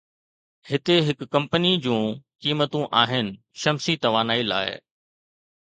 هتي هڪ ڪمپني جون قيمتون آهن شمسي توانائي لاءِ